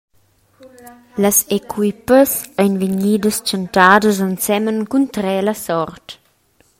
Las equipas ein vegnidas tschentadas ensemen cun trer la sort.